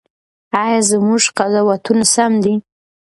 ایا زموږ قضاوتونه سم دي؟